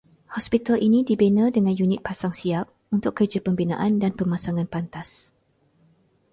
Hospital ini dibina dengan unit pasang siap untuk kerja pembinaan dan pemasangan pantas